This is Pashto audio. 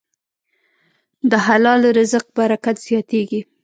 د حلال رزق برکت زیاتېږي.